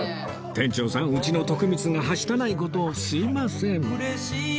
店長さんうちの徳光がはしたない事をすみません